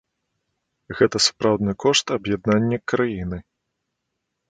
Гэта сапраўдны кошт аб'яднання краіны.